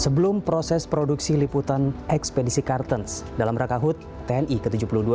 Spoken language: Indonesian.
sebelum proses produksi liputan ekspedisi kartens dalam rangka hut tni ke tujuh puluh dua